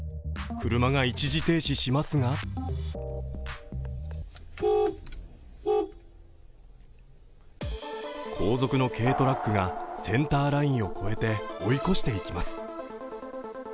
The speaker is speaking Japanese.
車が一時停止しますが後続の軽トラックがセンターラインを超えて追い越していきます。